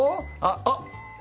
あっ！